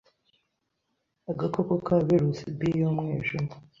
Agakoko ka Virus B y’umwijima